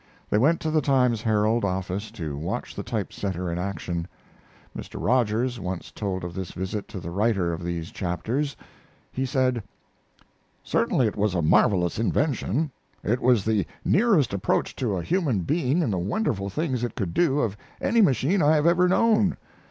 They went to the Times Herald office to watch the type setter in action. Mr. Rogers once told of this visit to the writer of these chapters. He said: "Certainly it was a marvelous invention. It was the nearest approach to a human being in the wonderful things it could do of any machine I have ever known.